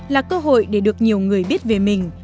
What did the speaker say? là cơ hội để được nhiều người biết về mình